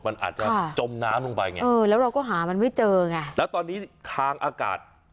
มันอาจจะจมน้ำลงไปไงเออแล้วเราก็หามันไม่เจอไงแล้วตอนนี้ทางอากาศ